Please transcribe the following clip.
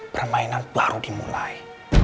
permainan baru dimulai